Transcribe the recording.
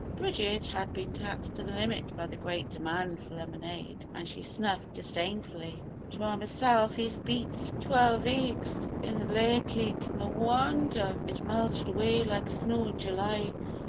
Bridget had been taxed to the limit by the great demand for lemonade, and she sniffed disdainfully: "'Twar mesilf ez beat twelve aigs in th' layer cake! No wonder it melted away like snow in July!